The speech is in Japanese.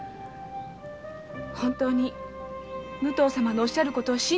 本当に武藤様のおっしゃることを信じてよいのか。